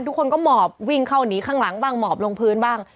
ทุกคนก็หมอบวิ่งเข้าหนีข้างหลังบ้างหมอบลงพื้นบ้าง